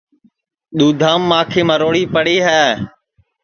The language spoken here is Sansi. دُؔدھام ماکھی مروڑی پڑی ہے